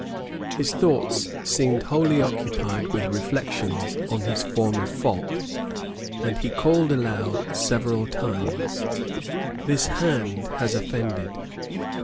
His thoughts seemed wholly occupied with reflections on his former fault; and he called aloud several times, "This hand has offended."